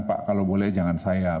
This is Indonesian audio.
pak kalau boleh jangan saya